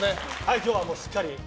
今日はしっかり。